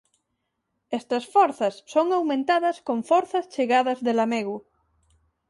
Estas forzas son aumentadas con forzas chegadas de Lamego.